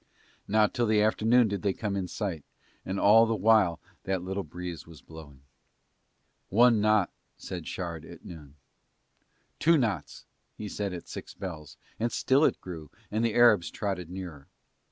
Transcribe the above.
Not till the afternoon did they come in sight, and all the while that little breeze was blowing. "One knot," said Shard at noon. "Two knots," he said at six bells and still it grew and the Arabs trotted nearer.